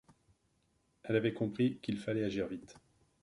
Elle avait compris qu’il fallait agir vite.